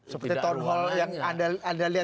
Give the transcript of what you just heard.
seperti town hall yang anda lihat di eropa atau di amerika